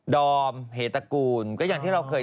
ดอมเหตกูลก็อย่างที่เราเคย